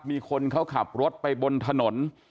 มีคนเขาขับรถไปบนถนน